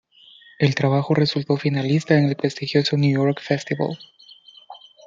El trabajo resultó finalista en el prestigioso New York Festival.